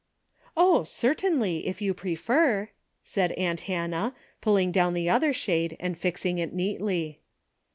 '' Oh, certainly, if you prefer," said aunt Hannah, pulling down the other shade and fixing it neatly.